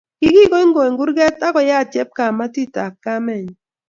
Kikigogony kurget agoyat chepkametitab kamenyu